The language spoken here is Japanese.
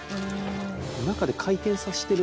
中で回転させてる？